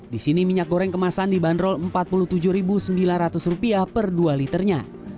di sini minyak goreng kemasan dibanderol rp empat puluh tujuh sembilan ratus per dua liternya